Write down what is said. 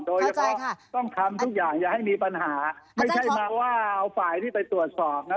โดยเฉพาะต้องทำทุกอย่างอย่าให้มีปัญหาไม่ใช่มาว่าเอาฝ่ายที่ไปตรวจสอบนะ